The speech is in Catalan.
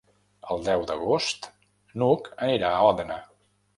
El deu d'agost n'Hug anirà a Òdena.